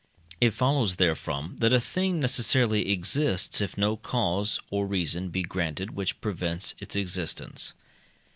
It follows therefrom that a thing necessarily exists, if no cause or reason be granted which prevents its existence.